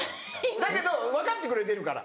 だけど分かってくれてるから。